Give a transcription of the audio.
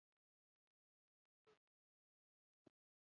حمایتي دېوال ودروي.